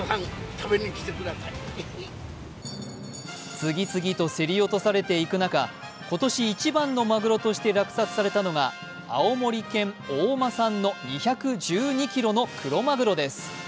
次々と競り落とされていく中、今年一番のまぐろとして落札されたのは青森県・大間産の２１２ｋｇのクロマグロです。